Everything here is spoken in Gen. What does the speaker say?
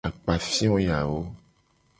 Akpafio yawo.